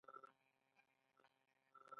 د اقتصاد وزارت پرمختیايي اهداف لري؟